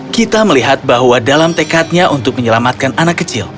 kita melihat bahwa dalam tekadnya untuk menyelamatkan anak kecil